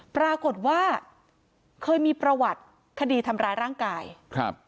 ปรากฏว่าเคยมีประวัติคดีทำร้ายร่างกายครับ